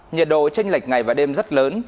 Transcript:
nhiệt độ tranh lệch ngày và đêm rất lớn